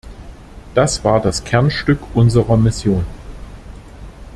Das war das Kernstück unserer Mission.